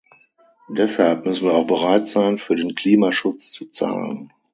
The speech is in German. Deshalb müssen wir auch bereit sein, für den Klimaschutz zu zahlen.